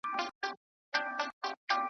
هره ورځ کوي له خلکو څخه غلاوي .